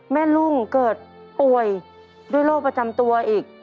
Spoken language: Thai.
ลุงเกิดป่วยด้วยโรคประจำตัวอีก